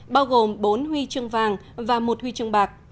bao gồm bốn huy chương vàng và một huy chương bạc